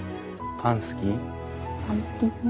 パン好きね。